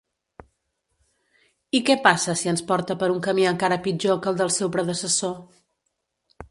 I què passa si ens porta per un camí encara pitjor que el del seu predecessor?